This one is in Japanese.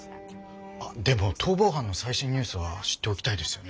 あっでも逃亡犯の最新ニュースは知っておきたいですよね。